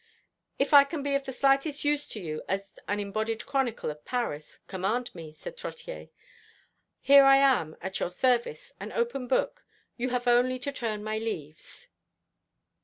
"If I can be of the slightest use to you, as an embodied chronicle of Paris, command me," said Trottier. "Here I am at your service an open book. You have only to turn my leaves."